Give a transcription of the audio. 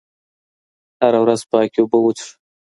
هره ورځ پاکې اوبه وڅښه